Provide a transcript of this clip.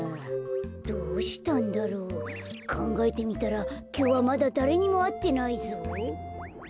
どうしたんだろう？かんがえてみたらきょうはまだだれにもあってないぞ。